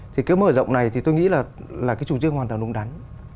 thì cái mở rộng này thì tôi nghĩ là cái chủ trương hoàn toàn đúng đắn